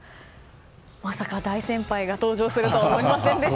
まさか大先輩が登場するとは思いませんでした。